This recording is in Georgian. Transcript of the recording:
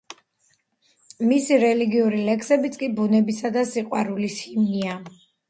მისი რელიგიური ლექსებიც კი ბუნებისა და სიყვარულის ჰიმნია.